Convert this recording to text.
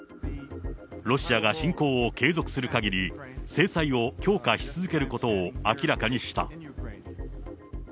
ロシアが侵攻を継続するかぎり、制裁を強化し続けることを明らかにした。